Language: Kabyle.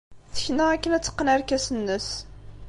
Tekna akken ad teqqen arkas-nnes.